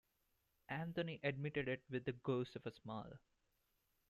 Anthony admitted it with the ghost of a smile.